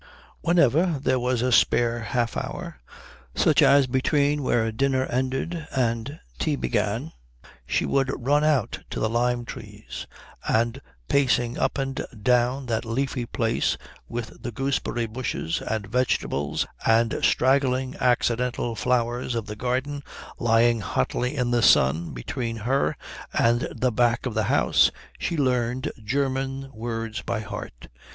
Whenever there was a spare half hour, such as between where dinner ended and tea began, she would run out to the lime trees, and pacing up and down that leafy place with the gooseberry bushes and vegetables and straggling accidental flowers of the garden lying hotly in the sun between her and the back of the house, she learned German words by heart.